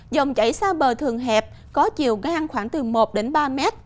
dòng chảy xa bờ thường hẹp có chiều gang khoảng từ một đến ba mét